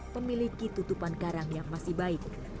memiliki tutupan karang yang masih baik